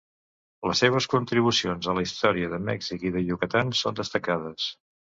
Les seves contribucions a la història de Mèxic i de Yucatán són destacades.